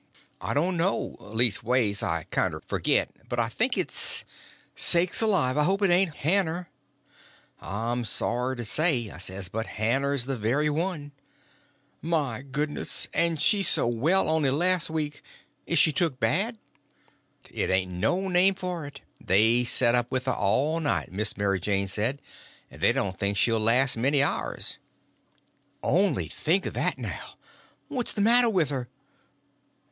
"I don't know; leastways, I kinder forget; but I thinks it's—" "Sakes alive, I hope it ain't Hanner?" "I'm sorry to say it," I says, "but Hanner's the very one." "My goodness, and she so well only last week! Is she took bad?" "It ain't no name for it. They set up with her all night, Miss Mary Jane said, and they don't think she'll last many hours." "Only think of that, now! What's the matter with her?"